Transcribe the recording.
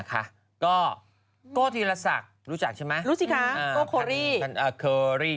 ก็โก้ธีรศักดิ์รู้จักใช่ไหมรู้สิคะโกเคอรี่